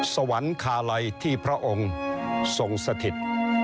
สวรรคาลัยที่พระองค์ทรงสถิต